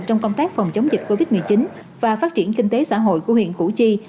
trong công tác phòng chống dịch covid một mươi chín và phát triển kinh tế xã hội của huyện củ chi